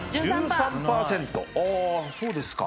あそうですか。